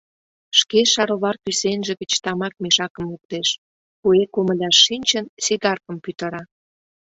Шке шаровар кӱсенже гыч тамак мешакым луктеш, куэ комыляш шинчын, сигаркым пӱтыра.